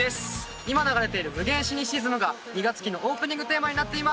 今流れている『無限シニシズム』が２月期のオープニングテーマになっています。